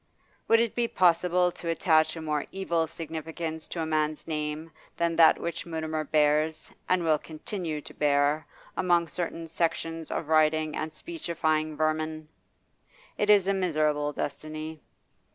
Would it be possible to attach a more evil significance to a man's name than that which Mutimer bears, and will continue to bear, among certain sections of writing and speechifying vermin? It is a miserable destiny.